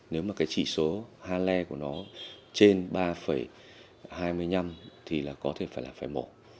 nếu mà cái chỉ số hale của nó trên ba hai mươi năm thì là có thể phải là phải mổ